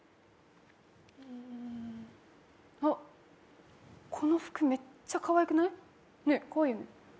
うん、あっ、この服めっちゃかわいくない？ねえ、かわいいよね？